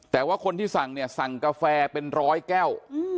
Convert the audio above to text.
แต่ว่าคนที่สั่งเนี่ยสั่งกาแฟเป็นร้อยแก้ว